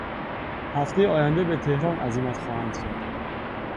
هفتهٔ آینده به تهران عزیمت خواهند کرد.